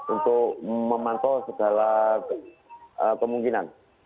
untuk memantau segala kemungkinan